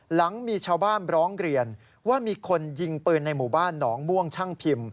หลังมีชาวบ้านร้องเรียนว่ามีคนยิงปืนในหมู่บ้านหนองม่วงช่างพิมพ์